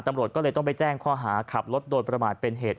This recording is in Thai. ตำรวจก็เลยต้องไปแจ้งข้อหาขับรถโดยประมาทเป็นเหตุ